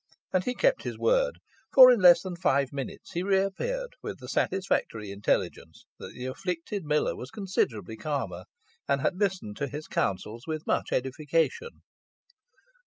And he kept his word; for in less than five minutes he reappeared with the satisfactory intelligence that the afflicted miller was considerably calmer, and had listened to his counsels with much edification.